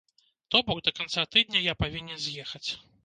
То бок, да канца тыдня я павінен з'ехаць.